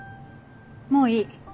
もういい。